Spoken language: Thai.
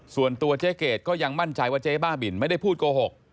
ส่วนตัวเจ๊เกดก็ยังมั่นใจว่าเจ๊บ้าบินไม่ได้พูดโกหก